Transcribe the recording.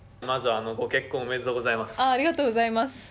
まず、ご結婚ありがとうございます。